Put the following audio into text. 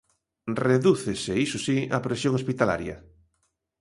Redúcese, iso si, a presión hospitalaria.